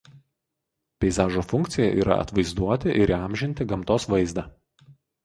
Peizažo funkcija yra atvaizduoti ir įamžinti gamtos vaizdą.